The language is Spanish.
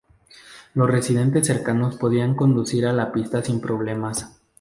Los residentes cercanos podían conducir a la pista sin problemas.